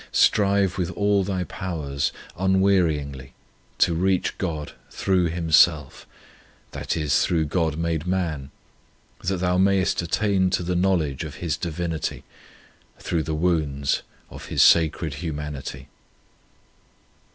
Strive with all thy powers, unwearyingly, to reach God through Himself, that is, through God made Man, that thou mayest attain to the knowledge of His Divinity through the wounds of His Sacred Humanity.